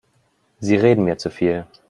Sie reden mir zu viel.